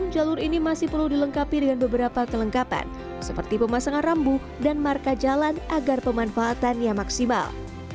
jalur ini masih perlu dilengkapi dengan beberapa kelengkapan seperti pemasangan rambu dan marka jalan agar pemanfaatannya maksimal